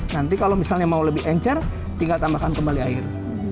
nanti kalau misalnya mau lebih encer tinggal tambahkan kembali air